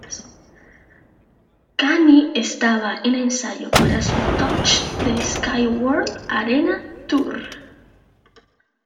Kanye estaba en ensayo para su Touch the Sky World Arena Tour.